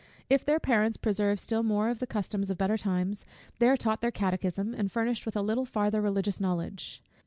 If their parents preserve still more of the customs of better times, they are taught their Catechism, and furnished with a little farther religious knowledge.